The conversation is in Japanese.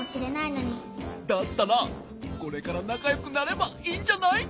だったらこれからなかよくなればいいんじゃない？